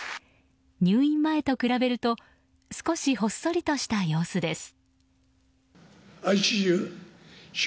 入院前と比べると少しほっそりとした様子です。